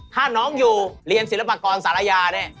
ถ้าน้องอยู่เรียนศิลปกรณ์ศาลายานี่